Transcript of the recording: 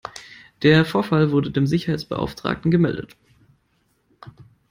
Der Vorfall wurde dem Sicherheitsbeauftragten gemeldet.